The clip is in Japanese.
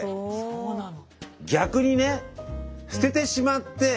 そうなの。